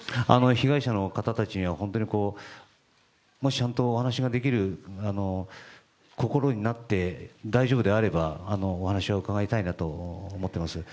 被害者の方たちには、もし本当にお話ができる、大丈夫であれば、お話を伺いたいなと思っています。